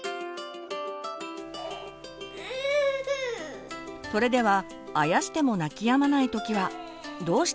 それではあやしても泣きやまない時はどうしたらいいのでしょうか？